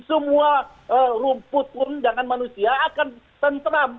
semua rumput pun jangan manusia akan tentram